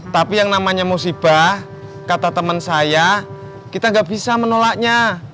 tapi yang namanya musibah kata teman saya kita nggak bisa menolaknya